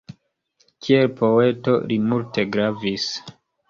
Kiel poeto li multe gravis.